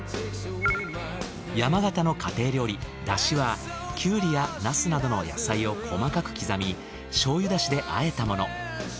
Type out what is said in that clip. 山形の家庭料理だしはキュウリやナスなどの野菜を細かく刻み醤油だしで和えたもの。